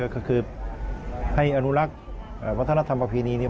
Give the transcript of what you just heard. ก็คือให้อนุรักษ์วัฒนธรรมประเพณีนี้